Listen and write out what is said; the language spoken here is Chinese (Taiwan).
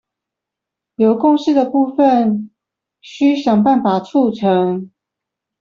有共識的部分須想辦法促成